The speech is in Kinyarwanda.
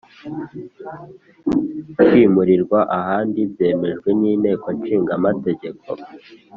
kwimurirwa ahandi byemejwe nInteko nshiga mategeko